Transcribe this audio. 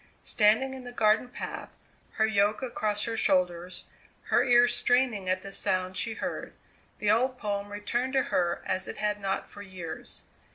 Standing in the garden path, her yoke across her shoulders, her ears straining at the sound she heard, the old poem returned to her as it had not for years.